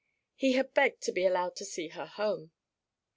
He had begged to be allowed to see her home.